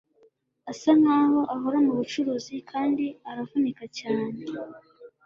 asa nkaho ahora mubucuruzi kandi aravunika cyane